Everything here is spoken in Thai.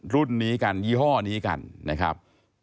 รุ่นนี้กันยี่ห้อนี้กันนะครับ